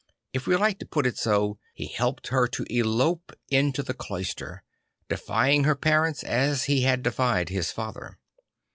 If we like to put it so, he helped her to elope into the cloister, defying her parents as he had defied his father.